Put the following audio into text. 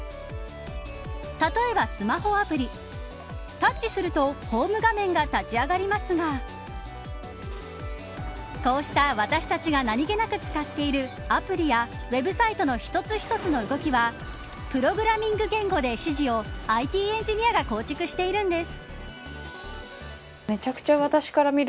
例えばスマホアプリタッチするとホーム画面が立ち上がりますがこうした私たちが何気なく使っているアプリやＷｅｂサイトの一つ一つの動きはプログラミング言語で指示をＩＴエンジニアが構築してるんです。